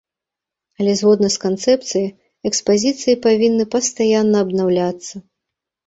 Але згодна з канцэпцыяй, экспазіцыі павінны пастаянна абнаўляцца.